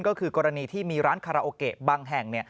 ก็คือกรณีที่มีร้านคาราโอเกะบางแห่ง